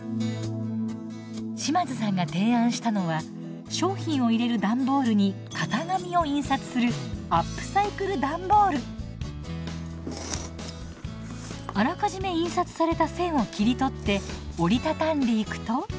島津さんが提案したのは商品を入れる段ボールに型紙を印刷するあらかじめ印刷された線を切り取って折り畳んでいくと。